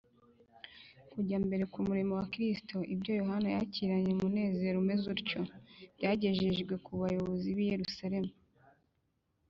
Kujya mbere k’umurimo wa Kristo, ibyo Yohana yakiranye umunezero umeze utyo, byagejejwe ku bayobozi b’i Yerusalemu